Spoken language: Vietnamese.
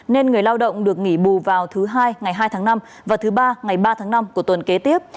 nên người lao động được nghỉ bù vào thứ hai ngày hai tháng năm và thứ ba ngày ba tháng năm của tuần kế tiếp